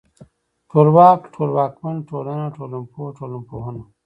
ټولواک ، ټولواکمن، ټولنه، ټولنپوه، ټولنپوهنه